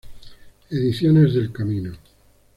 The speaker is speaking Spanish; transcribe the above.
Ediciones del Camino.